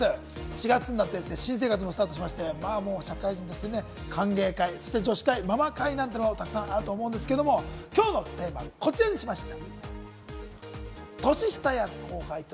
４月になって新生活もスタートして社会人として歓迎会、女子会、ママ会なんてのも沢山あると思うんですけれども、今日のテーマはこちらにしました。